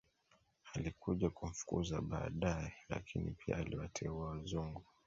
Alikuja kumfukuza badae lakini pia aliwateua wazungu